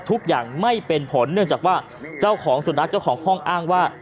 ทุกอย่างไม่เป็นผลเนื่องจากว่าเจ้าของสุนัขเจ้าของห้องอ้างว่า